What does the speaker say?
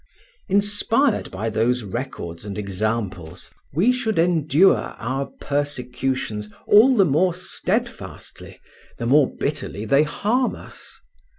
Inspired by those records and examples, we should endure our persecutions all the more steadfastly the more bitterly they harm us.